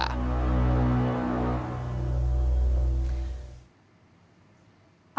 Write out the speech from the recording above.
tim liputan kompas tv jakarta